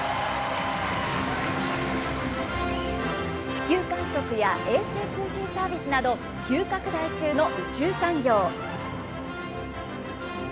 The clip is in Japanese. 地球観測や衛星通信サービスなど、急拡大中の宇宙産業。